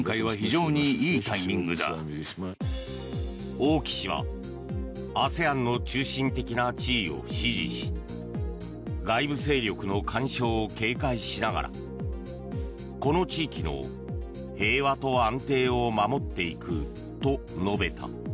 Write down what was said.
王毅氏はＡＳＥＡＮの中心的な地位を支持し外部勢力の干渉を警戒しながらこの地域の平和と安定を守っていくと述べた。